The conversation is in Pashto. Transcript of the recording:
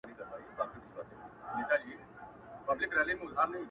له نظمونو یم بېزاره له دېوانه یمه ستړی-